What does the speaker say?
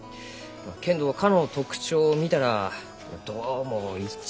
けんど科の特徴を見たらどうも一致せん。